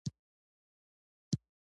هغه یوه ورځ یو هوسۍ ونیوله خو خوشې یې کړه.